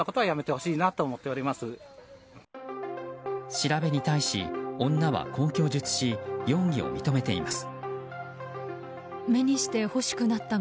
調べに対し、女はこう供述し容疑を認めています。